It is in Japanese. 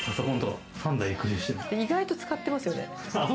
意外と使ってますよね。